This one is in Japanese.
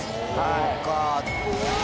そうか。